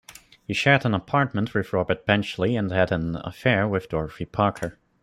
He shared an apartment with Robert Benchley and had an affair with Dorothy Parker.